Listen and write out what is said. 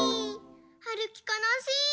はるきかなしい。